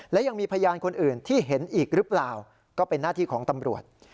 และยังมีพยานคนอื่นที่เห็นอีกหรือเปล่าก็เป็นหน้าที่ของตำรวจ